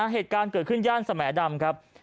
เหตุการณ์เกิดขึ้นย่านสแหมดำครับ